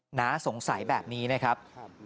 หนาสงสัยแบบนี้นะครับ